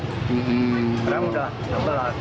sekarang sudah sebelas